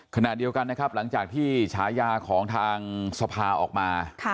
ขณะเดียวกันนะครับหลังจากที่ฉายาของทางสภาออกมา